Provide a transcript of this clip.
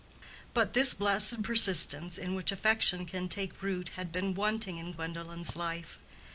But this blessed persistence in which affection can take root had been wanting in Gwendolen's life.